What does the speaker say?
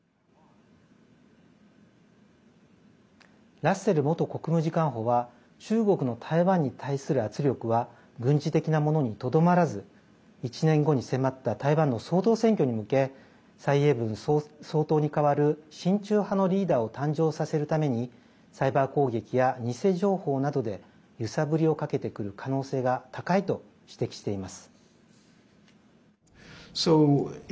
ラッセル元国務次官補は中国の台湾に対する圧力は軍事的なものにとどまらず１年後に迫った台湾の総統選挙に向け蔡英文総統に代わる、親中派のリーダーを誕生させるためにサイバー攻撃や偽情報などで揺さぶりをかけてくる可能性が高いと指摘しています。